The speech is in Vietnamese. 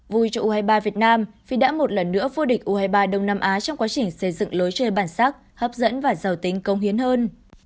vui cho u hai mươi ba việt nam vì đã một lần nữa vô địch u hai mươi ba đông nam á trong quá trình xây dựng lối chơi bản sắc hấp dẫn và giàu tính công hiến hơn